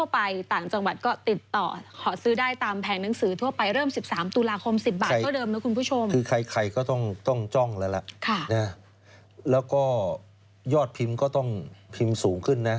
บาทก็เดิมนะคุณผู้ชมคือใครก็ต้องจ้องแล้วล่ะแล้วก็ยอดพิมพ์ก็ต้องพิมพ์สูงขึ้นนะ